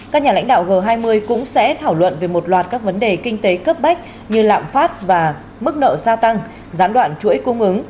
các nhà lãnh đạo g hai mươi cũng sẽ thảo luận về một loạt các vấn đề kinh tế cấp bách như lạm phát và mức nợ gia tăng gián đoạn chuỗi cung ứng